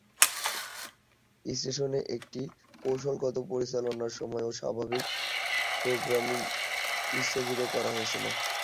স্টেশনে একটি কৌশলগত পর্যালোচনার সময় এর স্বাভাবিক প্রোগ্রামিং স্থগিত করা হয়েছিল।